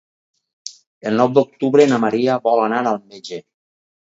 El nou d'octubre na Maria vol anar al metge.